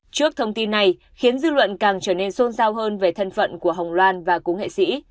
trước thông tin này khiến dư luận càng trở nên xôn xao hơn về thân phận của hồng loan và cú nghệ sĩ